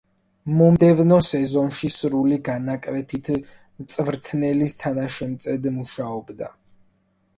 მომდევნო სეზონში სრული განაკვეთით მწვრთნელის თანაშემწედ მუშაობდა.